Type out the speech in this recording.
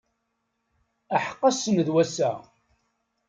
Aḥeqq ass-n d wass-a!